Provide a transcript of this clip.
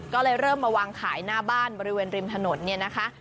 ก็เลยเริ่มมาวางขายหน้าบ้านบริเวณริมถนนเนี่ยนะคะ